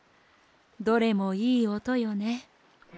どれもいいおとよね。